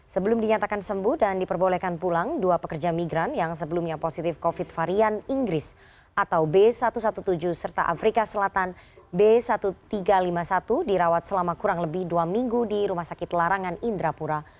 sebelum dinyatakan sembuh dan diperbolehkan pulang dua pekerja migran yang sebelumnya positif covid varian inggris atau b satu satu tujuh serta afrika selatan b seribu tiga ratus lima puluh satu dirawat selama kurang lebih dua minggu di rumah sakit larangan indrapura